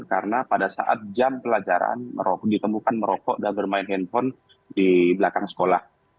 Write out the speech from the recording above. karena pada saat jam pelajaran ditemukan merokok dan bermain handphone di belakang sekolah